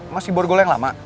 masih borgol yang lama